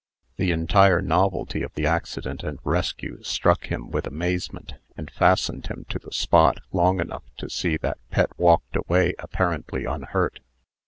The entire novelty of the accident and rescue struck him with amazement, and fastened him to the spot long enough to see that Pet walked away apparently unhurt.